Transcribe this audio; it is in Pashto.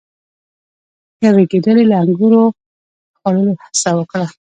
یوې ګیدړې له انګورو د خوړلو هڅه وکړه.